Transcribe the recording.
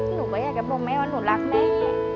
หนูก็อยากจะบอกแม่ว่าหนูรักแม่